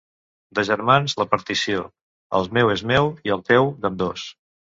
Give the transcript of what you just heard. De germans la partició: el meu és meu i el teu d'ambdós.